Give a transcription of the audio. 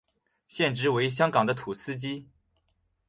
现职为香港的士司机。